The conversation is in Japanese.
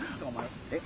えっ？